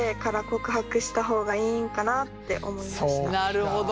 なるほど。